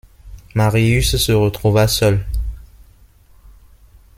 Marius se retrouva seul.